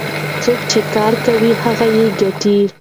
څوک چې کار کوي هغه ګټي.